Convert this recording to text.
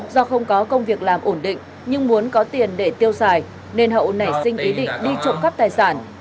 do không có công việc làm ổn định nhưng muốn có tiền để tiêu xài nên hậu nảy sinh ý định đi trộm cắp tài sản